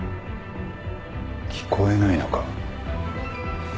聞こえないのか？